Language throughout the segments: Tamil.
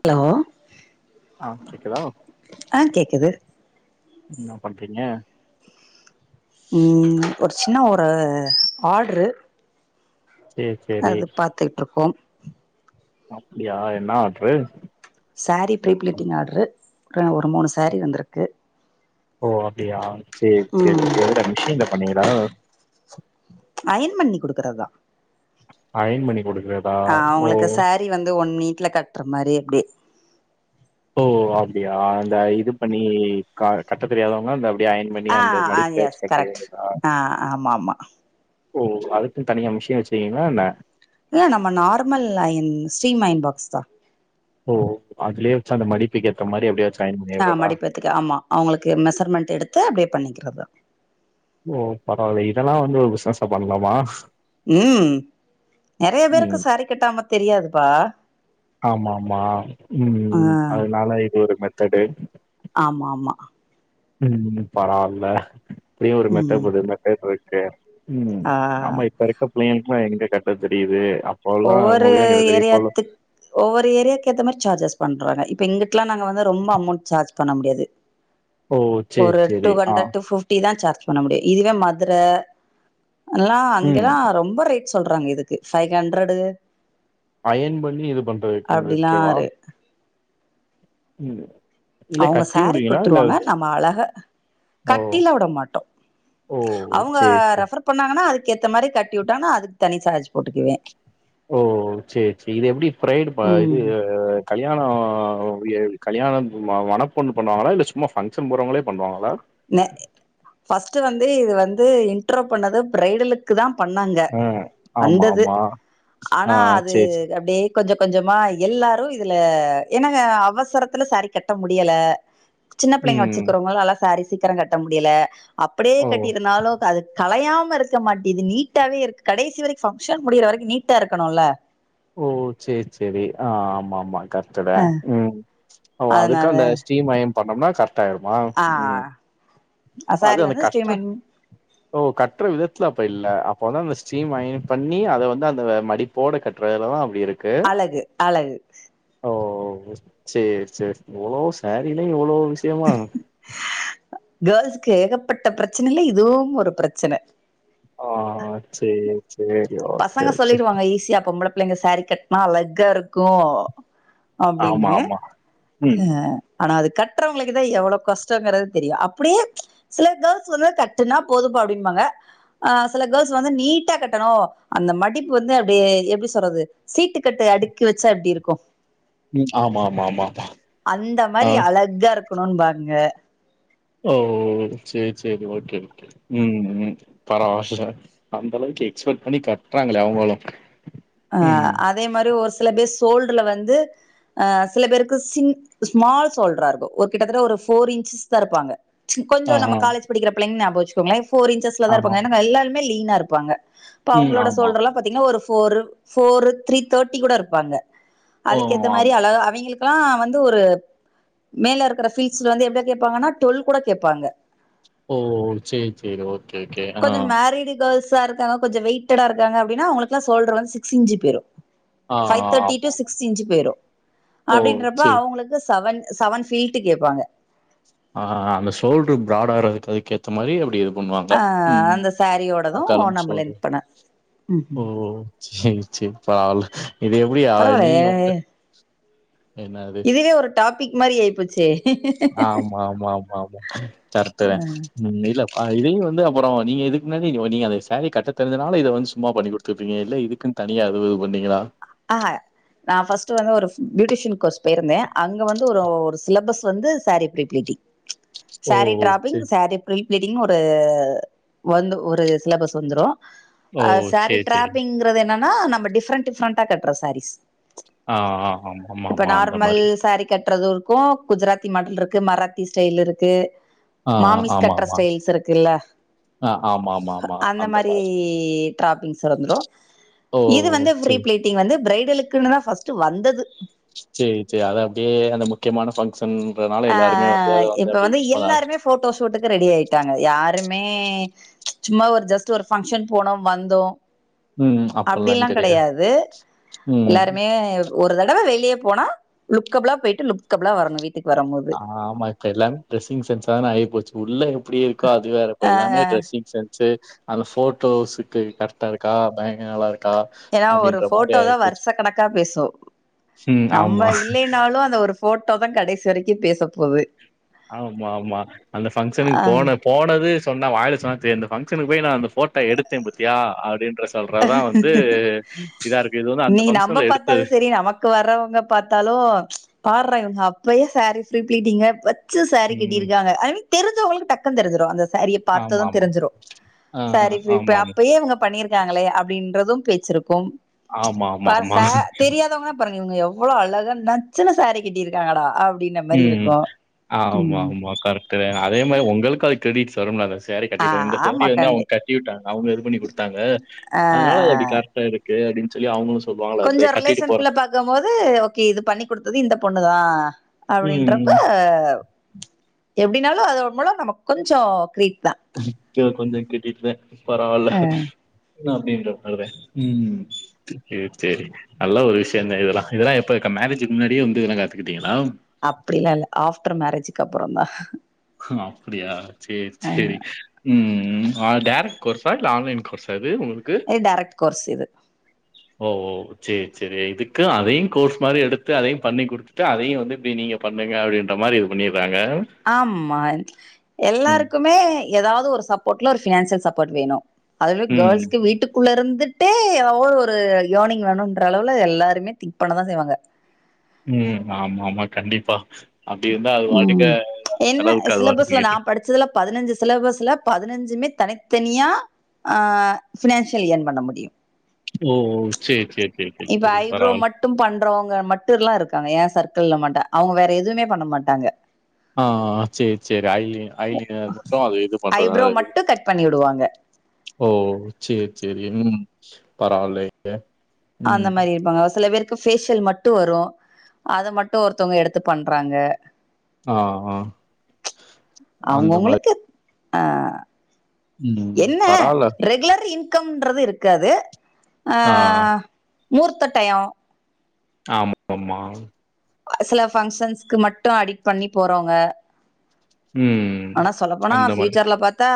ஹலோ ஆ கேக்குதா ஆஹ் கேக்குது என்னா பண்றீங்க ஒரு சின்ன ஒரு ஆட்ரு சேரி அது பாத்துட்டுருக்கோம் அப்புடியா என்ன ஆட்ரு சாரீ பிலிபிலீட்டிங் ஆட்ரு ஆஹ் ஒரு மூணு சேரீ வந்துருக்கு ஓ அப்டியா சேர் சேரி எதுல மிஷின்ல பண்ண [unintelligible] அயன் பண்ணி குடுக்கறதுதா அயன் பண்ணி குடுக்குறதா ஆஹ் ஓ அவுங்களுக்கு சாரீ வந்து ஒன் மினிட்ல கட்ற மாரி எப்டி ஓ அப்படியா அந்த இது பண்ணி கட்ட தெரியாதவங்க அந்த அப்டியே அயன் பண்ணி அந்த ஆஹ் ஆஹ் மடிப்பு எஸ் வச்சு கட்ட கரெக்ட் வேண்டியதா ஆஹ் ஆமா ஆமா ஓ அதுக்கு தனியா மிஷயம் வச்சிருக்கீங்களா என்ன இல்ல நம்ம normal iron steam iron box தான் ஓ அதுலயே வச்சு அந்த மடிப்புக்கு ஏற்ற மாதிரி அப்படியாச்சு ஆஹ் மடிப்புத்துக்கு ஆமா அவங்களுக்கு மெசர்மெண்ட் எடுத்து அப்படி பண்ணிக்கிறதுதான் ஓ பரவாயில்ல இதெல்லாம் வந்து ஒரு பிசினஸ்ஸ பண்ணலாமா உம் நிறைய பேருக்கு ம் சாரி கட்டாம தெரியாதுபா ஆமா ஆமா உம் அதனால இது ஒரு கடு ஆமா ஆமா உம் பரவாயில்ல அப்படியும் ஒரு மெத்த ம் போது மெத்த அ உம் ஆ ஆமா இப்ப இருக்க பிள்ளைங் எங்க கேட்ட தெரியுது அப்போலாம் ஒவ்வொரு அவங்களுக்கு எங்க தெரியும். இப்போல ஏரியாத்து ஒவ்வொரு ஏரியாவுக்கு ஏத்த மாரி சார்ஜஸ் வரும் பண்றாங்க இப்ப இங்கிட்டல்லாம் நாங்க வந்து ரொம்ப அமோண்ட்ல சார்ஜ் பண்ண முடியாது ஓ! சரி, ஒரு டூ சரி. ஆ. ஹண்ரட் பிப்டி தான் சார் பண்ண முடியாது இதுவே மதர எல்லா ம். அங்கெல்லா ரொம்ப ரேட் சொல்றாங்க இதுக்கு ஃபைஹன்ரடு கடுகு அயன் பன்னி இது பண்றதுக்குங்க வேச்சவா இரு உம் அவங்க சேஞரி கொடுத்துருவாங்க நம்ம அழக ஓ! கட்டில விட மாட்டோம் ஓ! அவங்க சரி, சரி. ரெபர் பண்ணாங்கன்னா அது கேத்த மாரி கட்டி விட்டாங்கெ அதுக்கு தனி சார்சு போட்டுக்குவேன் ஓ செரி செரி இது எப்டி ப்ரைடு பா இது...... ம் கல்யாணோ கல்யாணம் ம மன பொண்ணூ பண்ணுவாங்களா இல்லை சும்மா பங்க்ஷன் போறவங்களே பண்ணுவாங்களா பஸ்ட்டு வந்து இது வந்து இன்ட்ரோ பண்ணது பிரைடலுக்கு தான் பண்ணாங்க ஆ. ஆமா, வந்தது ஆமா. ஆ ஆனா அது சரி, சரி. அப்படியே கொஉஞ்சம் கொஞ்சமா எல்லாரும் இதுல எனக்கு அவசரத்துல சாரி கட்ட முடியல சின்ஆடயேடன பிள்ளைங்க ம். வச்சுக்கவங்களல்லாம் சாரீஸ் சீக்கிரம் கட்ட முடியல அப்டியே ஓ! கட்டிருந்தாலும் கதுக் கலையாம இருக்க மாட்டி இது நீட்டாவே இருக்கு கடைசி வரைக்கும் பங்க்ஷன் முடிற வரைக்கும் நீட்டா இருக்கணும்ல ஓ சேர் செரி ஆஹ் ஆமா ஆமா கத்தட உம் ஓ அதுக்கு அதனால அந்த ஸ்ரீமயம் பண்ணம்னா பத்தாயிரமா ஆ ம்ம் அது சாரி அந்த வந்து கட்டர ஸ்ரீமன் ஓ கட்டர விதத்துல அப்ப இல்ல அப்போ வந்து அந்த ஸ்டீம் அயன் பண்ணி அத வந்து அந்த மடிப்போட கட்டுறதுல தான் அழகு அழகு சேர் செரி இவளோ சேரி ல இவலோ சியமா கேள்சுக்கு ஏகப்பட்ட பிரச்சனயில இதுவும் ஒரு பிரச்சன ஆஹ் சேரி சேரி ஓகே பசங்க ஓகே சொல்லிருவாங்க ஈஸியாபொம்பள பிள்ளங்க சாரீ கட்னா அழகா இருக்கும் ஆமா அப்டின்னு ஆமா ம் ஹ ஆனா அதுக் கட்டுறவங்களுக்கு த எவ்வளவு கஷ்டங்கறது தெரியு அப்டியே சில கேள்ஸ் வந்து கட்டுனா போதும்ப அப்டின்னுபாங்க ஆஹ சில கேள்ஸ் வந்து நீட்டா கட்டணும் அந்த மடிப்பு வந்து அப்டியே எப்டி சொல்றது சீட்டுக்கட்ட அடுக்கி வச்சா எப்டி இருக்கும் உம் ஆமா ஆமா ஆமா ஆமா ஹ இருக்கணும்பங்க ஓ சேரி சேரி ஓகே ஓகே உம் உ பரவ அந்த அளவுக்கு எக்ஸ்பெக்ட் பண்ணி கட்டுறாங்களே அவங்களும் ஹ ம். அதே மாரி ஒருசி சில பேர் சோல்டர்ல வந்து சில பேருக்கு சிம் ஸ்மால் சோல்டரா இருக்கு ஒரு கிட்டத்த ஒரு ஃபோர் இன்ச்சஸ் இருப்பாங்க ஆ, கொஞ்சம் நம்ம ஆ. காலேஜ் படிக்கிற பிள்ளங்க நா போச்கோங்லைஸ் ஃபோர் இன்சஸ்ல தா ஆமா. இருக்குங்க எல்லருமே லின் ன்னா இருப்பாங்க இப்ப ம். அவங்களோட ஆமா. சோல்டற எலா பாத்தீங்கனா ஒரு போர் ஃபோர் த்ரீ தேர்ட்டி கூட இருப்பாங்க ஓ! அதுக்குேத்த மாரி ஆமா. அழ அவிங்களுக்கு அ வந்து ஒரு மேல இருக்கிற பீல்ஸ்ல வந்து எப்டி கேட்பாங்கன்னா டுவெல் கூட கேட்பாங்க ஓ சேரி சேரி ஓகே ஓகே ஆஹ கொஞ்சோ மேரிடு கேர்ள்ஸா இருக்காங்க கொஞ்சம் வெயடா இருக்கங்கப்படின உங்களுக்குல்ல சொல்றன்ஸ் சி சிஞ்சு பெறோ ஆ, ஃபைவ் தேட்டி ஆமா. டு சிக்ஸ் இன்சு போரும் ஓ! அப்படின்றப்ப சரி. அவங்களுக்கு சவன் சவன் பீல்ட் கேட்பாங்க ஆ ஹ அந்த சோல்டரு ப்ரட ஆறதுக்கு அதுக்க ஏத்த மாதிரி அப்டி பண்ணுவாங்க ஆ உம் அந்த சாரியோடது ஆக்காலம் நம்ம சோறு லென்த் பண்ண ம் ஓ சரி சரி பவல இது எப்படிா நீ பரவால்லையே உங்க என்னது பிக் மாி ஆயிபோச்சி எ ஆமா ஆமா ஆமா ஆமா தரத்துறே உம் இல்ல ஆஹ இதையு வந்து அப்புற நீ எதுக்குமாரி நீங்க சரிகாட்ட தெரிஞ்சனால இதை வந்து சும்மா பண்ணி கொடுத்துப்பீங்க இல்ல இதுக்கு தனியா எதுனா பண்ணீங்களா ஆஹ நா ஃபர்ஸ்ட் வந்து ஒரு பியூட்டிஷியன் கோஸ் போயிருந்தே அங்க வந்து ஒரு ஒரு சிலபஸ் வந்து சாரி பிரீ ப்லிடிங் ஓ! சாரி ட்ரபிங் சரி. சாரி பிரில் ப்லிடிங் ஒரு வந்து ஒரு சிலபஸ் வந்துடு ஓ! அஹ சாரி சரி, சரி. ட்ரபிங்கறது என்னன்ன நம டிஃரெ் டிஃரண்ட் கட்டுற சாரிஸ் ஆஹ ஆ ஆமா ஆமா ஆமா அந்த மாதிரி இருக்கும் குஜராத்தி மாடல் இருக்கு மராத்தி ஸ்டைல் இருக்கு ஆ, மாமிஸ் கற்ற ஆமாமா. ஸ்டைல்ஸ் இருக்குல்ல ஆ, ஆமாமாமா. அந்த மாதிரி மாரி. டாப்பிங்ந்து ஓ! இது வந்து சரி, ீ வந்து பிரரைடலுக்குனு தான் பர்ஸ்ட் வந்தது சரி சரி அத அப்படியே அந்த மு முக்கியமான ஃபங்ஷன்றனால எல்லாருமே வந்து ஆஹ் அத இப்ப அப்படியே வந்து யூஸ் பண்ண ஆரம் எல்லாருமே போட்டோ சூட்டுக்கு ரெடி ஆயிட்டாங்க யாருமே மே சும்மா ஒரு ஜஸ்ட் ஒரு பங்க்ஷன் போனோம் வந்தோம் ம். அப்பட அப்பல்லாம் எல்லாம் கெடையாது. கிடையாது ம். எல்லாருமே ஒரு தடவை வெளியே போனா லுக்கபிலா போயிட்டுலுக்கபிளா வரனும் வீட்டு ஆஹ ஆமால்ல டெசிங் சென்ஸ் ஆ ஆகி போச்சு உள்ளே எப்படி இருக்கோ அதுறப்ப ஆ எல்லே டிரெஸிங் சென்ஸ் அந்த போட்டோஸ்க்கு கரெக்டா இருக்கா பயங்கர நாளா இருக்க ஏன்னா ஒரு போட்டோதான் வருஷ கணக்கா பேசோம் ம். ஆமா. போட்டோ தான் கடைசி வரைக்கும் பேசப்போகுது ஆமா ஆமா அந்த ஃங்க்ஷனுக்கு ஆ போன போனது சொன்ன வாய சொன்ன இந்த பாங்கன் போய் நான் இந்த போட்டோ எடுத்தேன் பத்தியா அடின்னு இருக்கு. இது வந்து அந்த நீன்னை நம்ம ஃபங்ஷன்ல எடுத்தது. பார்த்தாலும் சரி நமக்கு வர்றவங்க பார்த்தாலும் பா அப்பையே சாரீ ப்ரீ பீலிட்டிங்க ம். புதுசாரிகட்டிஇருக்காங்க தெரிஞ்சவங்களுக்கு டக் தெரிஞ்சிடும் அந்த சாரி பார்த்ததும் ஆமாமா. தெரிஞ்சும் அ, அ. சாரி ஃப்லிட் ஆமாமா. அப்பேங்க இவங்க பண்ணி நங்களே அப்படின்றதும் பேச்சிருக்கும்கோம் ஆமா, ஆமா, ஆமா. ஆமா பஷா ஆமா. தெரியாதவங்கன்னா ப இவங்க எவ்வளவு அழகா நச்சுனு சாரி கட்டிருக்காங்கடா உம் ஆமா ஆமா கர அதே மாதிரி உங்களுக்கு அது கிரெடிட் வரும்லாத ச சாரி கட்டி ஆ, ச ஆமா வந்து அவங்க கண்டி கட்டி விட்டாங்க அவங்க இது பண்ணி கொடுத்தாங்க ஆ, அதனால அது அப்படி கர்டா இருக்கு அப்படின்னு யான் அவங்கள கொஞ்சம் ரிலேஷன்க்குள்ள பார்கும்போது ஓகே இது பண்ணி கொடுத்தது இந்த பொண்ண ணு தான் ம். அப்படின்றப்ப ம். எப்படினாலும் அதோன் மூலம் நம்ம கொஞ்சம் கிரீட் த ஒகே கொஞ்சம் கிரெடிட் தான் பரவால அப்படின்ற மாறேன் செரி செரி நல்ல ஒரு விஷயம்தான் இதெல்லாம் இதெல்லாம் எப்பா மேரேஜ் முன்னாடியே வந்து இதல்லாம் காத்துக்கிட்டீங்களா அப்படிலாம் இல்ல ஆஃப்டர் மேரேஜ்க்கு அப்புறம் தான் அப்படியா செரி செரி உம் உம் டேரட் கோர்ஸ்சா இல்ல ஆன்லைன் கோர்ஸ்சா இது டைரக்ட் கோர்ஸ்சு இது ஓஓ சரி சரி இதுக்கு அதையும் கோர்ஸ் மாதிரி எடுத்து அதையும் பண்ணி குடுத்துட்டு அதையும் வந்து இப்படி நீங்க பண்ணுங்க அப்படின்ற மாதிரி இது பண்ணிரு ஆமா ம். எல்லாருக்குமே ஏதாவது ஒரு சப்போர்ட்ல ஒரு பினான்சியல் சப்போட் வேணும் அதுவே ம். கேள்ஸ்க்கு வீட்டுக்குள்ளே இருந்து வந்துட்டே ஏதாவ ஒரு இயனிங் வேணும்என்ற அளவுல எல்லாருமே திங்க் பண்ணதான் செய்வாங்க உம் ஆமா ஆமா கண்டிப்பா அப்டி இருந்தா அது வாட்டுக்க உம் அது என்ன செலவுக்கு அது பாட்டுக்கு சிலபஸ்ல நான் போயிட்டுருக்கும். படிச்சதுல பதினஞ்சு சிலபஸ்ல பதினஞ்சுமே தனித்தனியா ஆஹ் பினான்சியல் ஏன்பண்ண முடியும் ஓஓ செரி செரி இப்ப ஐப்ரோ மட்டும் பண்றவங்க மட்டும் எல்லாம் இருக்கு அவங்க ஏன் சர்க்கிள்ல்ல மாட்டுன் அவங்க வேற எதுவுமே பண்ண மாட்டாங்க ஆஹ் செரி செரி ஐய் ஐலர் மட்டும் அது இது பண்றத ஐப்ரோ மட்டும் கட் பண்ணி விடுவாங்க ஓ செரி செரி உம் பரவால்லயே அந்த மாரி இருப்பாங்க ஒரு சில பேர் க்கு ஃபேஷியல் மட்டு வரு அத மட்டு ஒருத்தவ்ங்க எடுத்து பண்றாங்க ஆ ஆ அந்த மாரி. அவுங்கவுங்களுக்கு ஆ ம். என்ன பரவால்ல. ரெகுலர் இன் கம்ன்றது இருக்காது ஆ மூர்த்த டையொ ஆமாமா சில ஃபங்ஷன்ஸ்க்கு மட்டு அடிட் பண்ணி போறவ்ங்க ம். ஆனா சொல்லப்போனா அந்த மாரி. ஃப்யூச்சர்ல பாத்தா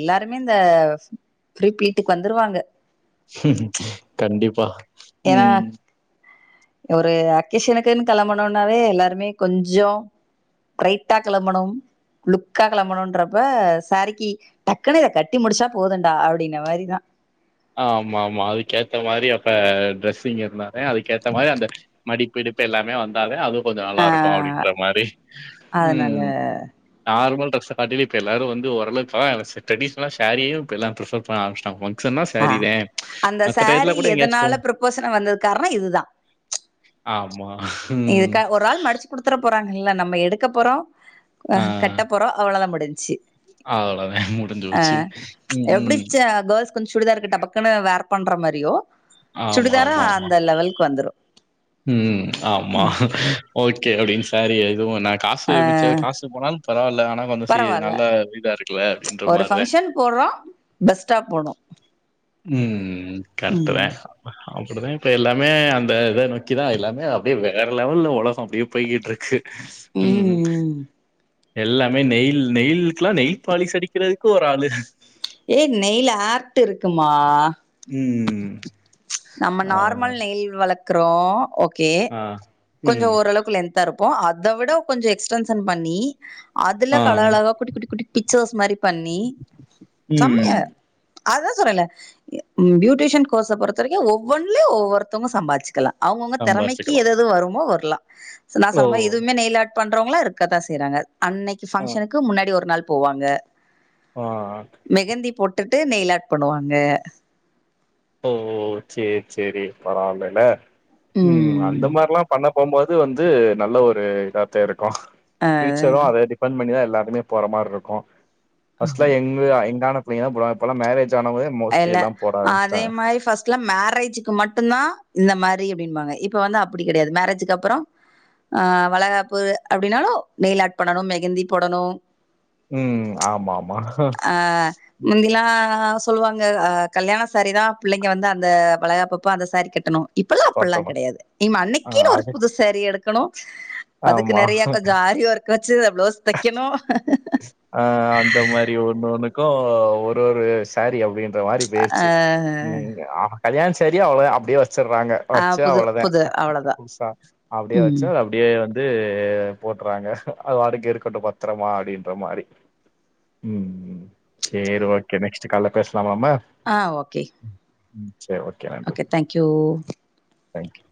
எல்லாருமே இந்த ப்ரீ ப்லீட்டுக்கு வந்துருவாங்க கண்டிப்பா ஏன்னா உம் ஒரு அக்கேஷனுக்குன் கெளம்பனுனாவே எல்லாருமே கொஞ்சோ பிரைட்டா கெளம்பனும் லுக்கா கெளம்பணுன்றப்ப சாரீக்கு டக்குனு இத கட்டி முடிச்சா போதுன்டா அப்டின மாரிதா ஆ ஆமாம்மா அதுக்கேத்த மாரி அப்ப ட்ரெஸ்ஸிங் இருந்தானே அதுக்கேத்த மாரி அந்த மடிப்பிடிப்பு எல்லாமே வந்தாவே அது கொஞ்சோ நல்லாருக்கூ ஆ அப்டின்ற மாரி அதனால உம் நார்மல் ட்ரெஸ்ஸ காட்டிலு இப்ப எல்லாரு வந்து ஓரளவு இப்பதா ட்ரெடிஷ்னல்லா சாரியே இப்ப எல்லா ப்ரிஃபர் பண்ண ஆரமிச்சுட்டாங்க [unintelligible] அ அந்த சாரி எங்கயாச்சு போம் எதனால ப்ரபோசனா வந்தது காரணோ இதுதா ஆமா ம் இதுக்கா ஒரு ஆள் மடுச்சு குடுத்துறப்போ ராங்கல்ல நம்ம எடுக்க போறோ அஹ் கட்டப்போறோ அவ்ளதா மு டிஞ்ச்சு அவ்ளதா முடிஞ்சுபோச்சு உம் உம் கொஞ் சுடித்தாருக்கு டபக்குன்னு வேர் பண்ற மாரியோ சுடிதாரா அந்த லெவல்க்கு வந்துரு உம் ஆமா ஓகே அப்டின் சாரி எதுவோ நா காசு அ மிச்ச காசு போனாலு பரவால்ல ஆனா கொஞ்சோ சி பரவால்ல. நல்ல வீடாருக்குல அப்டின்ற ஒரு மாரிதே ஃபங்க்ஷன் போடுறோம், பெஸ்ட்டா போணும். உம் கர்ட்டுதே ம். அப்டிதா இப்ப எல்லாமே அந்த இத நோக்கிதா எல்லாமே அப்டியே வேற லெவல்ல உலகோ அப்டியே போய்கிட்ருக்கு உம் ம். எல்லாமே நெயில் நெயிலுக்குல்லா நெயில் பாலிஸ் அடிக்குறதுக்கு ஒரு ஆளு ஏ நெய்ல் ஆர்ட் இருக்குமா உம் நம்ம நார்மல் நெயில் வளக் குறோம் ஓ கே ஆ. கொஞ்சோ ம். ஓரளவுக்கு லென்தாயிருக்கு இப்போ அத விட கொஞ்சோ எக்ஸ்டென்ஷன் பண்ணி ஆ. அதுல கழகழகா குட்டி குட்டி குட்டி பிக்ச்சர்ஸ் மாரி பண்ணி ம். சம்மயா அதுதா சொல்றேல பியூட்டிஷியன் கோர்ஸ பொறுத் இத்தனைக்கு ஒவ்வொன்ல ஒவ்வொருத்தங்க சம்பாதிச்சுக்கலா அவங்கவுங்க தெறமைக்கு சம்பாரிச்சுக்கலாம். எதுயெது வருமோ வரு நா ஓ! சொன்னமாரி இதுவுமே நெயிலார்டு பண்றவங்களா இருக்கதான் செய்றாங்க அன்னைக்கு ஃபங்க்சனுக்கு முன்னாடி ஒரு நாள் போவாங்க ஆஹ் ஹ் கட்டுட்டு நெய்லாட் பண்ணுவாங்க ஓ ஓசேரி சேரி பரவால்லல உம் ம் அந்த மாரில்லாம் பண்ண போம்போது வந்து நல்ல ஒரு இதா தா இருக்கு ப்பா அ பியூச்சரும் அத டிப்பெண்ட் பண்ணிதான் எல்லாருமே போற மாரி இருக்கும் பஸ்ல ஆமா எங்க எங்கான [unintelligible] மேரஜ் ஜன [unintelligible] மோஸ்ட்லி எல்லா எல்லாம் போறாம்ஸ் அதே மாரி ஃபர்ஸ்ட்ல மேரேஜ்க்கு மட்டும் தான் இந்த மாரி ங்க இப்ப வந்து அப்டி கெடயாது மேரேஜக்கு அப்பறம் ஆஹ் வளகாப்பு அப்டினாலும் நெய்லாட் பண்ணனும் மெகந்தி போடணும் உம் ஆமா ஆமா ஆ முந்திலாம் சொல்லுவாங்க அஹ் கல்யாண சேரி தான் பிள்ளங்க வந்து அந்த வலகாப்பப்ப அந்த சேரி கட்டணும் இப்பெல்லாம் அப்படெலாம் பாத்தமா கெடையாது இவ ஆ அன்னைக்கன்னு ஒரு அது புதுசேரி எடுத்து கணோ அதுக்கு ஆமா நெறய கொஞ்ச ஆரி ஒர்க் [unintelligible] பிளவுஸ் தக்கணும் ஆஹ் அந்த மாரி ஒண்ண ஒண்ணுக்கும் ஒரு ஒரு சேரீ அப்டின்னு இந்த மாரி ஆ போயிருச்சு ம்ஆ கல்யாண் சேரி அவளதா அப்டியே வச்சறாங்க ஆ வச்சு புது அவ்வளோத புது அவ்ளோதான். புதுசா அப்டியே வச்சு ம். அப்டியே வந்து இது போட்டுறாங்க அது பாட்டுக்கு இருக்கட்டும் பத்திரமா அப்டின்னு மாரி உம் சரி ஓகே நெக்ஸ்ட் கால்ல பேச அமமா ஆ ஓகே. உம் ஓகே தேங்க்யூ தேங்க் யூ